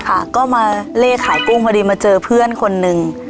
ค่ะก็มาเล่ขายกุ้งพอดีมาเจอเพื่อนคนหนึ่ง